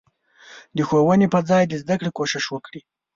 د ښوونې په ځای د زدکړې کوشش وکړي.